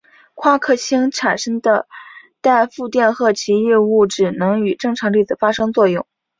夸克星产生的带负电荷奇异物质能与正常粒子发生作用。